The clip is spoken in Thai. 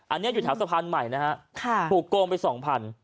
อันนี้อยู่แถวสะพานใหม่นะฮะถูกโกงไปสองพัน